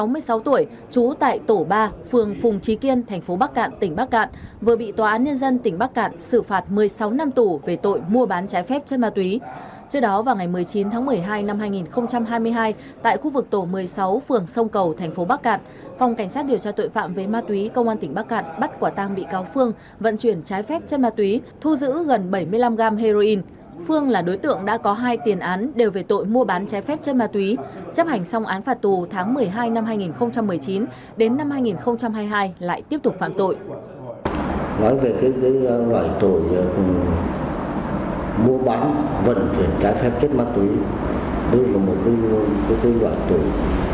bị cáo bạch thị phương sáu mươi sáu tuổi chú tại tổ ba phường phùng trí kiên thành phố bắc cạn tỉnh bắc cạn vừa bị tòa án nhân dân tỉnh bắc cạn xử phạt một mươi sáu năm tù về tội mua bán trái phép chất ma túy